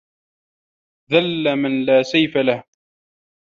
ذل من لا سيف له